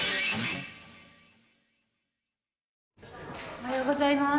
おはようございます。